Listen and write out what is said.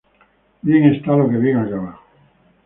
Bien está lo que bien acaba